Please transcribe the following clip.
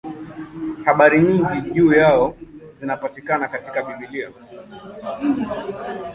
Habari nyingi juu yao zinapatikana katika Biblia.